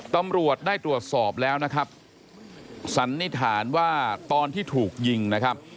ตำรวจได้ตรวจสอบแล้วนะครับสันนิษฐานว่าตอนที่ถูกยิงนะครับ